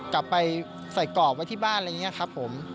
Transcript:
กลับไปใส่กรอบไว้ที่บ้านอะไรอย่างนี้ครับผม